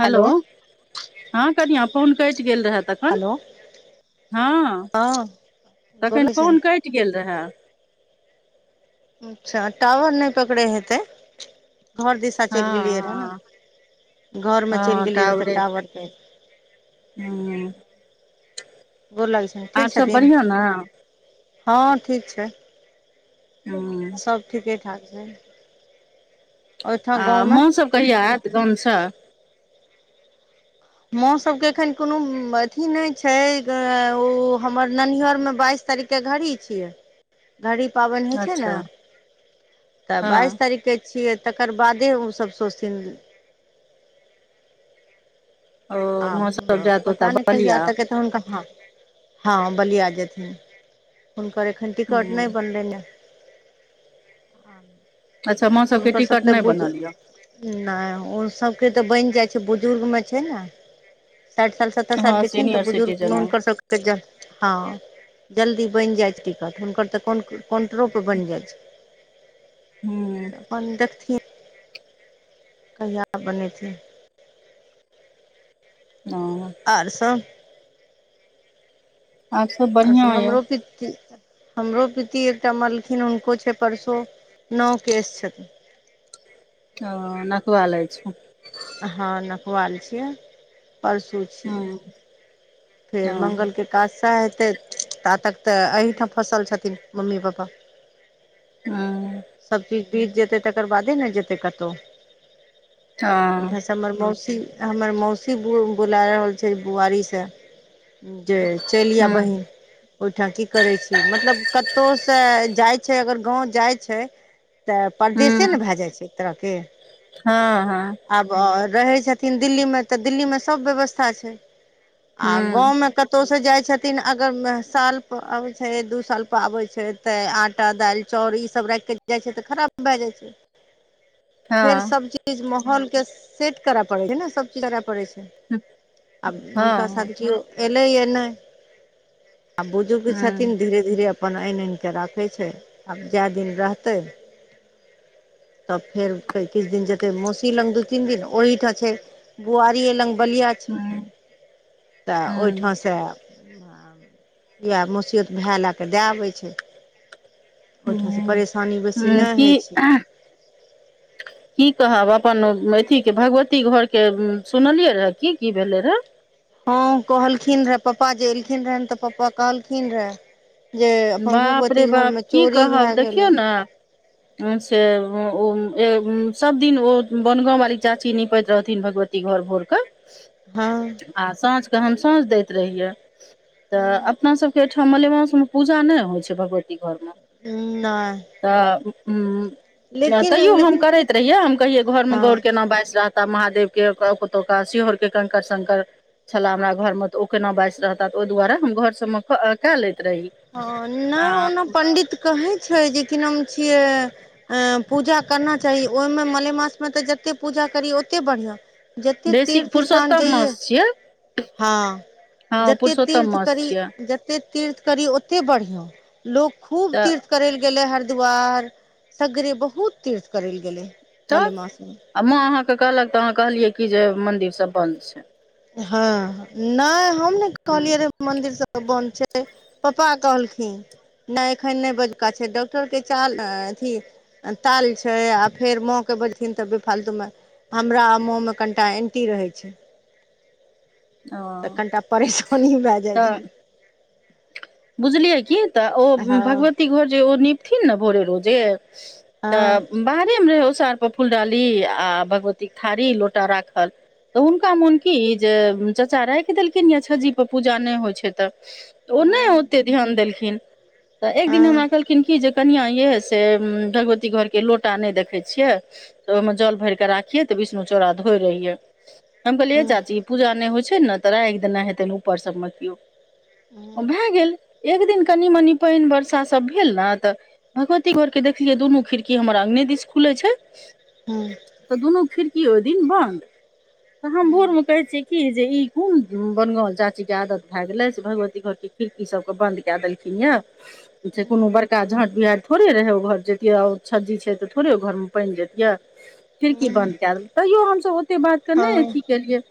Hello हँ कनिआ phone कटि गेल रहै तखेन हेलो तखन हँ तखन बोलै छै फोन कटि गेल रहए अच्छा टावर नहि पकड़े हेतै घर दिशा चलि गेलियै रहऽ हँ ने घरमे चलि गेलियै रहऽ तऽ टावर हू गोर लागै छै आर ठीक सब छथिन बढ़िऑं नऽ हँ ठीक छै हू सब ठीके ठाक छै आ ओहिठाम गाँवमे माँ सब कहिया आयत गामसँ माँ सबके एखन कोनो अथी नहि छै ओ हमर ननिहरमे बाइस तारीख घड़ी छिये घड़ी पाबैन होइ छै न अच्छा त हँ बाइस तारिक छियै तकर बादे ओसभ शौचिथिन ओ माँ सब आब जायत पता ओतऽ नहि कैहिया बलिया एतेक हुनका फताहै नऽ हँ बलििया जेथिन हुनकर एखन टिकट ह नहि बनलनि हँ आँ अच्छा माँ सबके टिकट नहि बनल यऽ नहि ओ सबके तऽ बनि जाइ छै बुजुर्ग में छै ने साठि साल स तर साल हँ के छै ने त सीनियर सिटीजन बुजुर्गुनक सब तऽ हँ जल्दी बनि जाइ छै टिकट हुनकर तऽ कोन कन्ट्रो परर बनि जाइत छै मे अपन देखथिन कहिया बनै छै हँ और सब आर सब आओर सभ बढ़िआँ यए हमरो पिती हमरो पिती एकटा मलखिन हुनको छै परसो नओ केस छथिन ओ नकवा लै छौ हँ नपबा लै छियै परसू छियै हँ फेर मंगल हँ के एकादशा हेतै तातक तऽ एहिठाम फँसल छथिन मम्मी पापा हूँ सभचीज बीत जेतै तकर बादे ने जेतै कतौ हँ हमर मौसी हमर मौसी बु बुला रहल छै बुआरी सँ जे चइल आ हँ बहीन ओइठा की करे छी मतलब कतौ से जाय छै अगर गाँंव जाय छै तऽ परदेसे ने हूँ भए जाइ छै एक तरहके हँ हँ आब रहै छथिन दिल्ली मे तऽ दिल्ली मे सब व्यवस्था छै आ हूँ गाँव मे क कतौ से जाइ छथिन अगर साल पर आबै छै दू साल पर आबै छै तऽ आटा दालि चाउर ई सब राइख के जाय छै तऽ खराब भए जाय छै फेर हँ सबजी चीज माहौलके सेट करअ पड़ै छै ने सब चीज करय पड़ै छै आब हुनका हँ हूँ साथ कियौ एलैया नहि आ बुजुर्ग हूँ छथिन धीरे धीरे अपन आनि आनि कऽ राखै छै आब जए दिन रह तय तब फेर किछ दिन जेते मौसी लग दू तीन दिन ओहिठम छै बुआरी लग बलिया छै तऽ हूँ ओहिठाम से इएह मौसियौत भए लए कऽ दए आबै छै ओहिठामा सँ हूँ परेशानी बेसी हूँ ने होइ की छै की कहब अपन अथी के भगवती घरके सुनलियै रहे की की भेलै रहै हँ कहलखिन रहे पापा जे एलखिन रहे तऽ पप्पा कहलखिन रहे जे अपन बाप रे भगवती घर बाप मे चोरी भए गेलै अच्छा ओ ओ ए सबदिन ओ बनगाँव वाली चाची निपैत रहथिन भगवती घर भोर कऽ हँ आ साँझके हम साँझ दैत रहियै तऽ अपनासभके ओइठाम मलेमास मे पूजा नै होइ छै भगवती घर में उ नइह तऽ उ उ तैयो हम लेकिन करैत रहियै हम कहियै घरमे हँ गौर केना बाइस रह त महादेव के [unintelligible] शिहोर के कंकड़ शंकर छलाह हमरा घरमे तऽ ओ केना बाइसि रहता त ओइ दुआरे हम घर सभमे कए लैत रही हँ नै आ ओना पण्डित कहै छय जे कि नाम छियै ए पूजा करना चाही ओइमे मलेमास मे तऽ जते पूजा करी ओते बढ़िआँ जते बेसी तीर्थ स्थान पुरुषोत्तम जइये मास छियै हँ हँ जते पुरुषोत्तम तीर्थ मास करी छियै जते तीर्थ करी ओते बढ़िया लोग खूब तऽ तीर्थ करै ले गेले हरिद्वार सगरे बहुत तीर्थ करै ले गेले तऽ मलेमास मे आ माँ अहाँकेँ कहलक तऽ अहाँ कहलियै कि जे मंन्दिर सब बंन्द छै हँ नइ हम ने कहलियै रे मंन्दिर सब बन्द छै पापा कहलखिन नइ एखन नइ बजका छै डॉक्टर के चाल अथी ताल छै आ फेर माँ के बजेथिन तऽ बेफालतू मे हमरा मोह मे कनिटा एंटी रहै छै ह तऽ ओ कनिटा परेशानी भए जाइ तऽ छै बुझलियै की तऽ ओ हँ भगवती घर जे ओ निपथिन ने भोरे रोजे हँ तऽ बाहरेमे उषाआर पर फूल डाली आ भगवतीक थाड़ी लोटा राखल तऽ हुनका मोन की जे चचा राखि देलखिन या छ्जीपर पूजा नहि होइ छै तऽ त ओ नहि हँ ओते ध्यान देलखिन तऽ एक दिन हमरा कहल खिन की जे कनिऑं यै से भगवती घरके लोटा नहि देखै छियै तऽ ओहिमे जल भर कऽ राखियै तऽ विष्णु चौड़ा धोइ रहियै हम कहलियै यै चाची पूजा नहि होइ छै ने तऽ राखि देने हेतनि ऊपर सभमे केओ भए गेल एक दिन कनि मनि पानि वर्षासभ भेल ने तऽ भगवती घर के देखलियै दुनू खिड़की हमर अगंने दिस खुलै छै हँ तऽ दुनू खिड़की ओहि दिन बन्द तऽ हम भोर मे कहै छियै की जे ई कोन बनगाॅल चाची के आदत भय गेले से भगवती घर के खिड़की सब बंद कैऽ देलखिन य जे कोनो बर बरका झाँट बिहरि थोड़े रहै ओ घर जैतीयै ओ छज्जी छै तऽ थोड़े ओ घरमे पानि जैतियै खिड़की बन्द कए देलक तैयो हमसभ ओतेक बातके नहि अथी केलियैऽ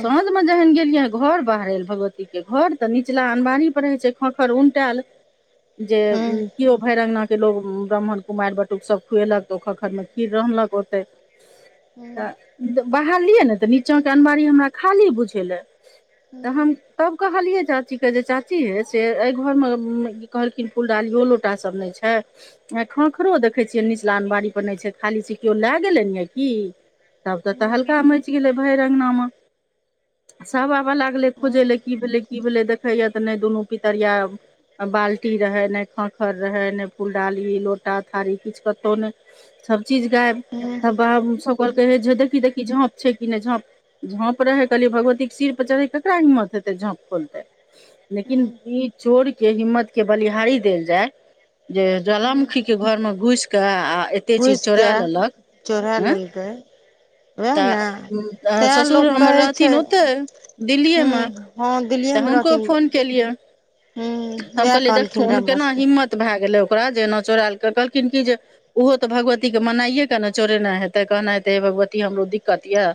सॅंऽन मे जहन गेलियै घर बाहरल भगवती के घर तऽ निचला अनबारी [unintelligible] घर पर उलटेल जे कियो भैर अंगना के लोक ब्राह्मण कुमारि बटुकसभ खुएलक तऽ ओ खखरमे खीर रहलक ओते तऽ बाहरलियै ने तऽ नीचाँके अनबारी हमरा खाली बुझेलए तहन तब कहलियै चाची के जे चाची चाची यै से ऐ घरमे की कहलखिन फुलडालियो लोटा सब नै छै आ खऽखरो देखै छियै निचला अनमारी पर नहि छै खाली छै केओ लए गेलै ने यए कि तब तऽ तहल्का मचि गेलै भरि अंगना मे सब आव लागलै खोजय लए की भेलै की भेलै देखैए तऽ नै दुनू पितरिया बाल्टी रहै नै खखर रहै नहि फुलडाली लोटा थारी किछ कतहु नै सबचीज गायब ह [unintelligible] त बाबु सब कहलकै जे देखी देखी झाँप छै की नहि झाँप झाँप रहै कहलियै भगवतीके सिरपरढ़ै क केरा हिमत हेतै झाँप खोलतै लेकिन ई चोर के हिम्मत के बलिहारी देल जाय जे ज्वालामुखी घरमे घुइस कऽ आ एतेक चीज घुस चोरा के लेलक चोरा एं लेलकै वएह ने तऽ तें लोक ससुर हमर कहै छै रहथिन ओतहि हूँ दिल्लीएमे हँ दिल्लएमे रहथिन फोन केेलिय हूँ त हम वएह कहलीयै कहलखिन रऽ देखथुन हमरा केना सबके हिम्मत भए गेलै ओकरा जे एना चोरायल कहलखिन कि जे ओहो तऽ भगवतीके मनाइए क ने चोरेने हेतै कहने हेतै हे भगवती हमरो दिक्कत य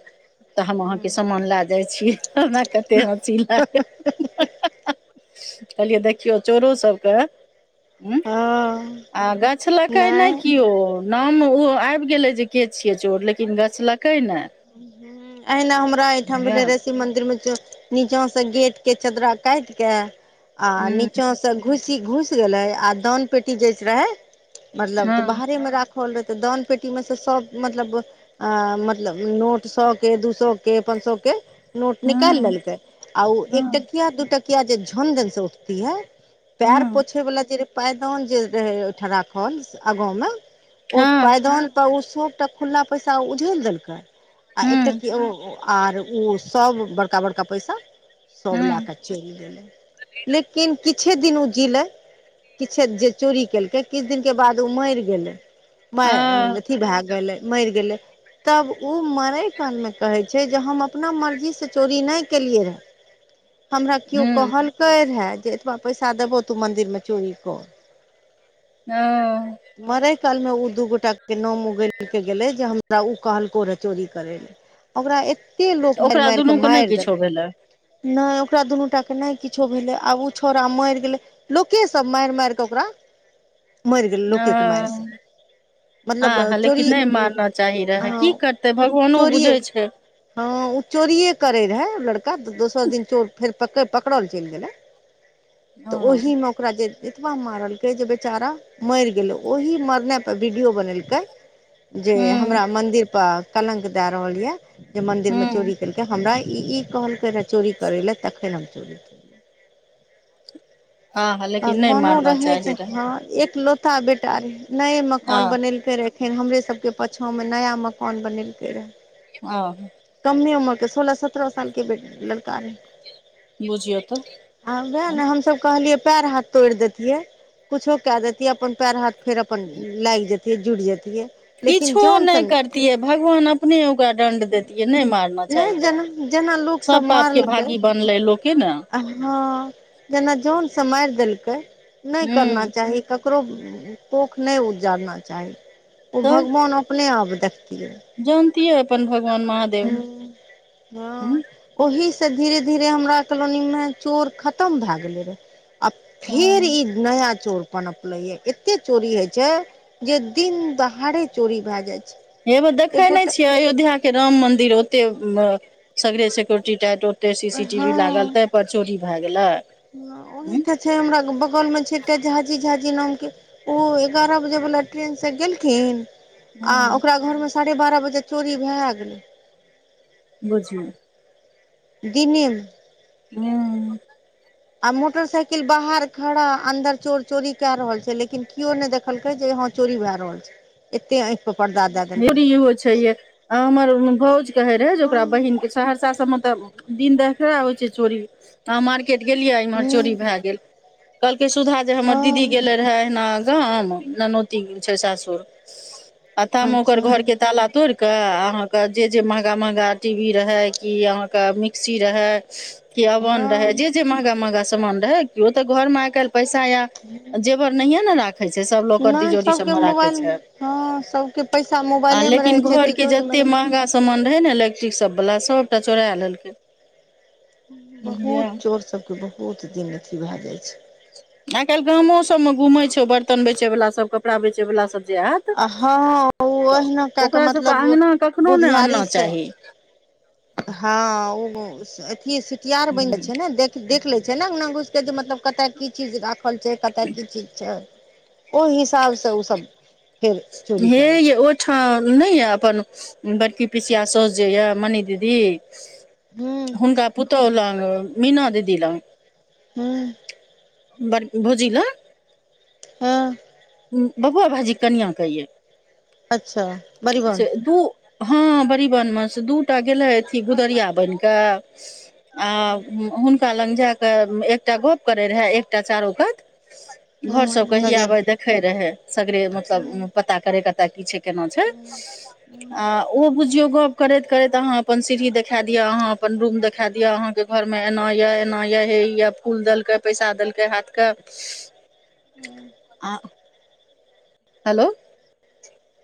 तऽ हम हूँ अहाँके सामान लए जाय छी हमरा कते हस्सी लाग कहलियै देखियौ चोरो सबके ह हँ आ गछलकै नै नहि किओ नाम ओ आबि गेले जे के छिये चोर लेकिन गछलक कै नै हूं अहिना हमरा एहिठाम भेले रायत शिव मंदिर में ज नीचा से गेट के चदरा काट के आ हूं नीचा से सब घुसी घुस गेले आ दान पेटी जे रहे मतलब तऽ हँ बाहरे मे राख होल रहे त दान पेटी में से सब मतलब अ मतलब नोट सब दू सए के पांँ सए के नोट निकाल हूं लेलकै आ हूं एकटकिया दूटकिया किया जे झनझन से उठती है पैर हूं पोछे वला जे पैदान जे रहे ओठराखल आगा मे ओ हँ पैदान त ओ सबटा खुला पैसा उझल देलकै आ एकटा हूं आर ओ सभ बड़का बड़का पैसा सभ लए हूं कऽ चलि गेलै लेकिन किछे दिन ओ जीलै। किछे जे चोरी केलकै किछु दिन के बाद ओ मरि गेलै। आ अथी भए गेलै मरि गेलै तब उ मरय काल में कहै छैय जे हम अपना मर्जी से चोरी नहि केलियै रहे। हमरा केओ हूं कहलकै रहे जे एतबा पैसा देबो तू मंदिर मे चोरी कर। ओ मरय कालमे ओ दू गोटाके नाम उगैलके गेलै जे हमरा ओ कहलकौ रहै चोरी करै लए। ओकरा एते तऽ लोक मारि ओकरा मारि कऽ दुनूके नहि मारि किछो देलकै। भेलै नहि ओकरा दुनू टाके नहि किछो भेलै आब ओ छौड़ा मरि गेलै। लोकेसभ मारि मारि कऽ ओकरा मरि गेलै लोकके मारिसँ। आ मतलब हा लेकिन चोरी नहि मारना चाही रहए हँ की करतै ओ भगवानो चोरिये बुझै छैय। हँ ओ चोरीये करै रहै लड़का त दोसर दिन चोर फेर पकड़ पकरल चलि गेलै। [inaudible] तऽ हँ ओहिमे ओकरा जे एतबा मारलकै जे बेचारा मरि गेलै ओहि मरने त वीडियो बनेलकै जे हमरा हूँ मंदिर पर कलंक दए रहल ये। जे मन्दिरमे हूँ चोरी केलकै हमरा ई ई कहलकै रहै चोरी करय ले तखन हम चोरीे केलियै। आह लेकिन नहि भगवानो मारना रहय चाही छैय रहए हँ एकलौता बेटा रहय नये मकान आह बनेलकै रहे। खन हमरे सबके पाछाँमे नया मकान बनेलकै रहै। ओ कमे उमर के सोलह सत्तरह सालके बे लड़का रहै। बुझियौ तऽ। आ वैह ने हमसब कहलियै पैर हाथ तोड़ देतियै कुछो कय देतियै अपन पैर हाथ फेर अपन लाइग जेतयै जुड़ जेतियै। किछो नहि करतियै भगवान अपने ओकरा दंड देतियै नहि मार ना नहि चाही जेना जेना रहै लोकसभ सब पाप के भागी बनले लोके ने। आ हँ जेना जान से मारि देलकै नहि करना हूँ चाही कक रो कोख नहि उजारना चाही ओ तब भगवान अपने आप देखतियै। जानतियै अपन भगवान महादेव हूं। ओहिसे धीरे धीरे हमरा कॉलोनी में चोर खतम भए गेलै रहे। आ फेर हँ ई नया चोर पनपलै य एत्ते चोरी होय छैय जे दिन दहारे चोरी भए जाइ छै हे बै देखै एक नहि गोटा छियै अयोध्या के राम मंदिर ओते सगरे सिक्योरिटी टाइट ओते सी सी हँ टीवी लागल ताहि पर चोरी भए गेलै हूं। छैय हमरा बगल में छैय एकटा झाजी झाजी नाम के। उ एगारह बजेवला ट्रेनसँ गेलखिन आ ओकरा घरमे साढ़े बारह बजे चोरी भए गेलै। बुझू दिने मे। हूँ आ मोटरसाइकिल बाहर खड़ा अन्दर चोर चोरी कै रहल छै लेकिन केओ नहि देखलकै जे चोरी भए रहल छै एते आंखि पर परदा चोरी होई छै ये आ हमर भौज कहे रहे जे ओकरा हूँ बहिन के सहरसा सब मे तऽ दिन देखड़ा होइ छै चोरी अहां मार खेत गेलियै इम्हर चोरी भय गेल कहलकै सुधा जे हमर दीदी हँ गेलै रहे एहिना गाम ननौती छै सासुर आथाम ओकर अच्छा घर के ताला तोड़ के के अहाँके जे जे महंगा महंगा टी वी रहय कि अहाँके मिक्सी रहै क अवन हँ रहे जे महंगा महंगा सामान रहे केो ते घर में आइ काल्हि पैसा या ह [inaudible] र नहिय ने राखे छै सब लोक तिजोरी सब सबके मे राखे मोबाइल छै हँ सबके पैसा आ मोबाइले मे रहे लेकिन छै घरके तिजोरी मे जतेक रहे छै महँगा सामान रहै ने इलेक्ट्रिक सबवला सभटा चोरा लेलकै बुझलियै बहुत चोर सबके बहुत दिन अथी भए जाइ छै आइ काल्हि गामोसभमे घूमै छौ बर्तन बेचयवलाास सभ कपड़ा बेचयवलाास सभ जे आत आ हँ ओ तऽ अहिना कए कऽ ओकरा सबके मतलब अङगना कखनो नहि बुधियारी आनना से चाहि हँ ओ अथ सटियाार बनि जा छै ने देख देख लै छै ने अंगना घुसके जे मतलब कतय की चीज राखल छै कतय की चिज छै ओहि हिसाबसँ ओसभ फेर चोरी करै छै ठा नहि यऽ अपन बड़की पिसिया सौस जे यए मनी दीदी हूँ हुनका पुतोहु लग मीना दीदी लग हँ बङकी भोजी लग हँ बबुआ भाईजी कनिआ कए या अच्छा बड़ीबन हँ बड़बनमे से दू टा गेलै अथी गुदरिया बनि कऽ आ हुनका लग जा कऽ एकटा गप करैत रहए एकटा चारू कात हूँ घर सब कह ह नजर आबे देखे रहे सगरे हूँ मतलब पता करे कत की छै केना छै हूँ हूँ आ ओ बुझियौ गप करैत करैत अहाँ अपन सीढ़ी देखा दिअ अहाँ अपन रूम देखा दिअ अहाँके घर में एना ये एना ये हे ये फूल देलक पैसा देलके हाथ के ह [inaudible] ह [inaudible] [inaudible] हेल्लो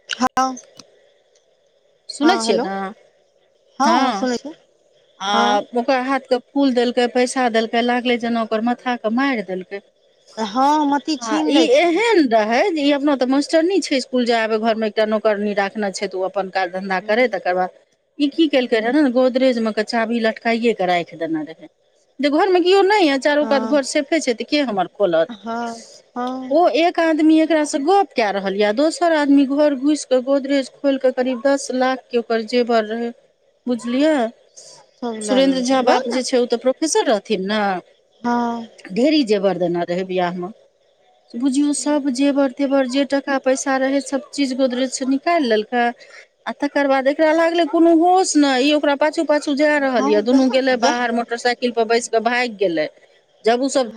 [unintelligible] हँ सुनै हँ छियै ने हेलो हँ आ हँ ओकरा हाथके फूल देलकै पैसा देलकै लागलै जैना ओकर माथाकेँ मारि देलकै हँ मति छीन लै छै रहे जे ई अपना तऽ मास्टर नी छै स्कुल जाय आब घर मे एकटा नौकरनी रखने छै तऽ ओ अपन काज धन्धा करै हूँ तकर बाद ई की केलकै रहे ने ने गोदरेज मे के चाभी लटकाइए के राख देने रहे जे घरमे केओ नहि यऽ चारू कात घर हँ सेफे छै तऽ के हमर खोलत हँ हँ ओ एक एक आदमी एकरा से गप क रहल ये दोसर आदमी घर घुस के गोदरेज खोल के करीब दस लाख के ओकर जेवर रहै बुझलियए सब लए सुरेन्द्र झा लेलकै वएह बाप ने जे छै ओ तऽ प्रोफेसर रहथिन नऽ हँ ढेरी जेवर देने रहै बिआहमे बुझियौ सब जेवर जेवर जे टाका पैसा रहे सब चीज गोदरेज सऽ निकालि लेलकै आ तकर बाद एकरा लागले कोनो होश ने ई ओकरा पाछू पाछू जाय रहल हँ ये दुनू वएह गेले बाहर वएह मोटरसाइकिल पर बैस के भागि गेले जब ओ सब